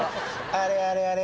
あれあれあれ？